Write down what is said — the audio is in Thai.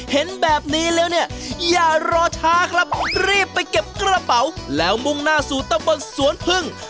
เห็นแบบนี้แล้วเนี่ยอย่ารอช้าครับรีบไปเก็บกระเป๋าแล้วมุ่งหน้าสู่ตะบนสวนพึ่ง